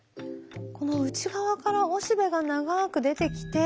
この内側からおしべが長く出てきて。